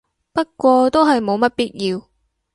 不過都係冇乜必要